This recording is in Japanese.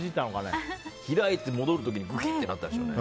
開いて戻る時にグキッとなったんでしょうね。